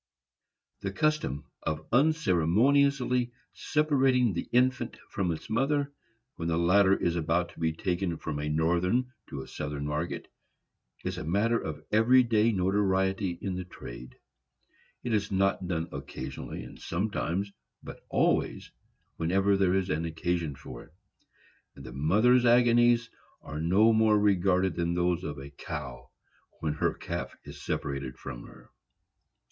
The custom of unceremoniously separating the infant from its mother, when the latter is about to be taken from a Northern to a Southern market, is a matter of every day notoriety in the trade. It is not done occasionally and sometimes, but always, whenever there is occasion for it; and the mother's agonies are no more regarded than those of a cow when her calf is separated from her.